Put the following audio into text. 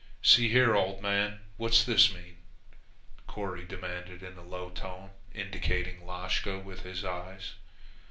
"See here, old man, what's this mean?" Corry demanded in a low tone, indicating Lashka with his eyes.